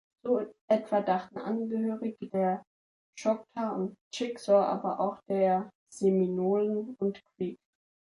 So etwa dachten Angehörige der Choctaw und Chickasaw, aber auch der Seminolen und Creek.